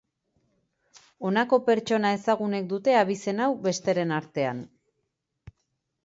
Honako pertsona ezagunek dute abizen hau, besteren artean.